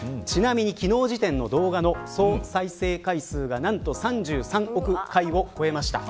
昨日時点の動画の総再生回数は３３億回を超えました。